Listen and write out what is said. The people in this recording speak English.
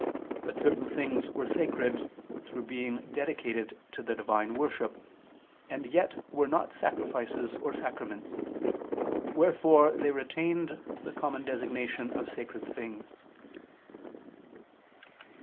But certain things were sacred, through being dedicated to the Divine worship, and yet were not sacrifices or sacraments: wherefore they retained the common designation of sacred things.